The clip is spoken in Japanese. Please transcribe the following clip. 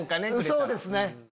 そうですね。